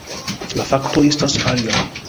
La faktoj estas aliaj.